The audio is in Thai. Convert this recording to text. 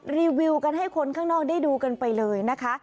รีวิวกันให้คนข้างนอกได้ดูกันไปเลยนะคะ